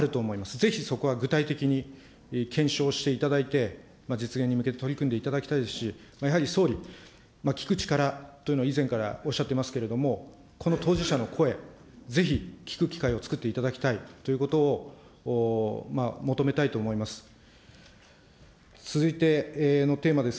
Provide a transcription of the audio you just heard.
ぜひそこは具体的に検証していただいて、実現に向けて取り組んでいただきたいですし、やはり総理、聞く力というのを以前からおっしゃっていますけれども、この当事者の声、ぜひ聞く機会を作っていただきたいということを求めたいと思います。